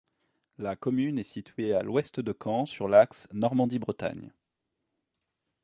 La commune est située à l'ouest de Caen sur l'axe Normandie-Bretagne.